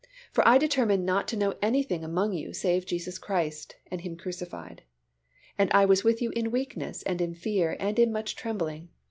For I determined not to know anything among you, save Jesus Christ, and Him crucified. And I was with you in weakness, and in fear, and in much trembling.